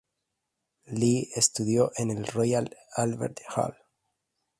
Lee estudió en el Royal Albert Hall.